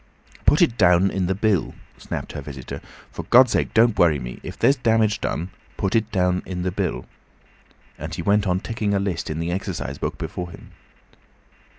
"Put it down in the bill," snapped her visitor. "For God's sake don't worry me. If there's damage done, put it down in the bill," and he went on ticking a list in the exercise book before him.